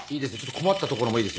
困ったところもいいですよ。